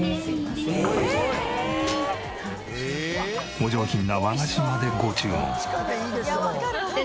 お上品な和菓子までご注文。